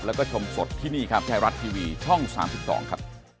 แล้วก็ชมสดที่นี่ครับไทยรัฐทีวีช่อง๓๒ครับ